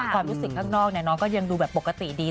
ความรู้สึกข้างนอกน้องก็ยังดูแบบปกติดี